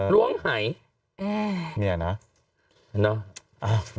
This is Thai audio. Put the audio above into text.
ล้วงไหาย